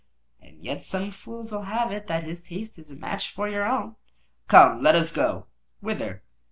"And yet some fools will have it that his taste is a match for your own." "Come, let us go." "Whither?"